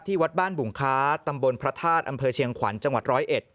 วัดบ้านบุงค้าตำบลพระธาตุอำเภอเชียงขวัญจังหวัดร้อยเอ็ด